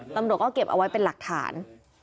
ตำรวจก็เก็บเอาไว้เป็นหลักฐาน